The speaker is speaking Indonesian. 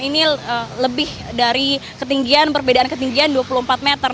ini lebih dari ketinggian perbedaan ketinggian dua puluh empat meter